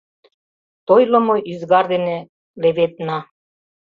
Тойлымо ӱзгар ден леведна.